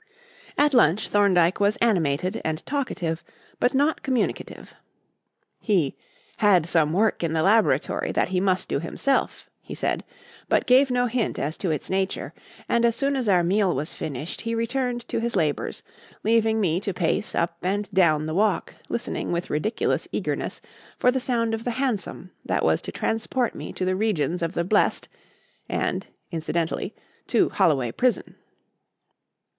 At lunch, Thorndyke was animated and talkative but not communicative. He "had some work in the laboratory that he must do himself," he said, but gave no hint as to its nature; and as soon as our meal was finished, he returned to his labours, leaving me to pace up and down the walk, listening with ridiculous eagerness for the sound of the hansom that was to transport me to the regions of the blest, and incidentally to Holloway Prison.